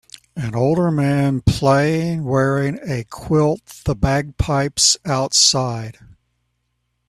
an older man playing wearing a quilt the bagpipes outside.